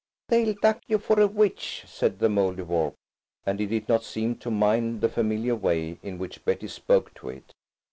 "They'll duck you for a witch," said the Mouldiwarp, and it did not seem to mind the familiar way in which Betty spoke to it.